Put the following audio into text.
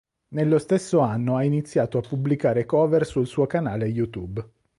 Nello stesso anno ha iniziato a pubblicare cover sul suo canale YouTube.